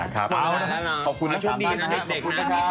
มาชมดีน้อยเน็ตเด็ก